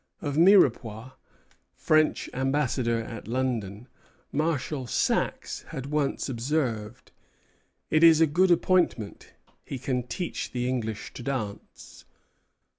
Of Mirepoix, French ambassador at London, Marshal Saxe had once observed: "It is a good appointment; he can teach the English to dance."